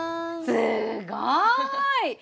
すごい！